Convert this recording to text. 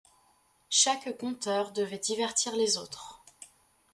Chaque conteur devait divertir les autres.